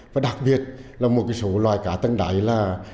và đặc biệt là một số loài cá tân đáy là